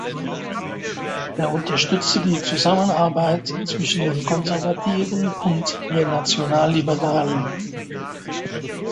Er unterstützte die Zusammenarbeit zwischen den Konservativen und den Nationalliberalen.